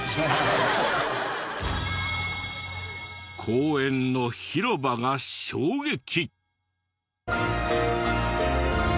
公園の広場が衝撃。